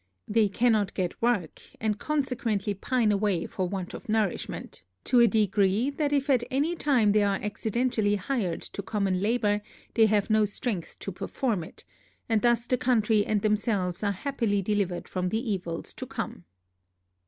They cannot get work, and consequently pine away from want of nourishment, to a degree, that if at any time they are accidentally hired to common labour, they have not strength to perform it, and thus the country and themselves are happily delivered from the evils to come.